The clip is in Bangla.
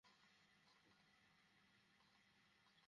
তোমার মনে হয় আমাদের চেয়ে ভালো নাচবে এরা?